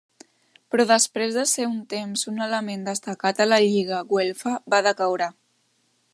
Però després de ser un temps un element destacat en la Lliga Güelfa va decaure.